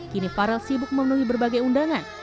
kini farel sibuk memenuhi berbagai undangan